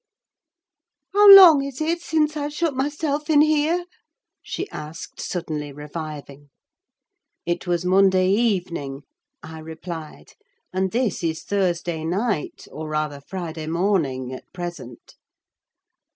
"How long is it since I shut myself in here?" she asked, suddenly reviving. "It was Monday evening," I replied, "and this is Thursday night, or rather Friday morning, at present."